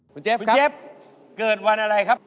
คุณเจฟคุณเจฟเกิดวันอะไรครับ